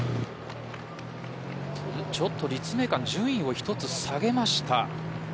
ちょっと立命館順位を１つ下げました。